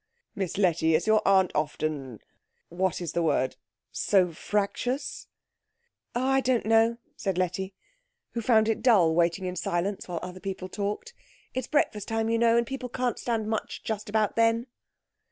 "Miss Letty, is your aunt often what is the word so fractious?" "Oh, I don't know," said Letty, who found it dull waiting in silence while other people talked. "It's breakfast time, you know, and people can't stand much just about then."